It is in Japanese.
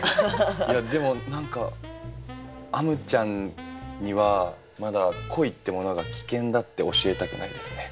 いやでも何かあむちゃんにはまだ恋ってものが危険だって教えたくないですね。